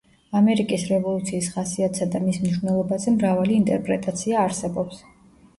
ამერიკის რევოლუციის ხასიათსა და მის მნიშვნელობაზე მრავალი ინტერპრეტაცია არსებობს.